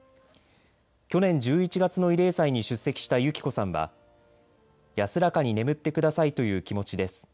去年１１月の慰霊祭に出席した幸子さんは安らかに眠ってくださいという気持ちです。